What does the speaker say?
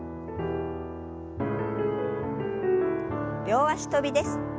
両脚跳びです。